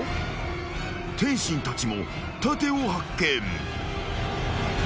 ［天心たちも盾を発見］